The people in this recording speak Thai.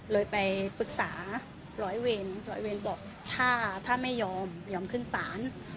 เลยไปปรึกษาร้อยเวรร้อยเวรบอกถ้าไม่ยอมยอมยอมขึ้นศาล